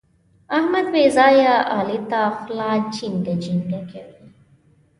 احمد بې ځايه علي ته خوله چينګه چینګه کوي.